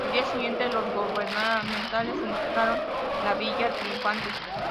El día siguiente los gubernamentales entraron en la villa, triunfantes.